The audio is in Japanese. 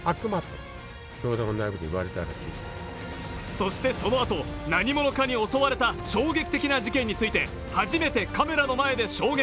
そしてその後、何者かに襲われた衝撃的な事件について初めてカメラの前で証言。